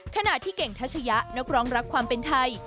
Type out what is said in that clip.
ขณะที่เก่งทัชยะนักร้องรักความเป็นไทย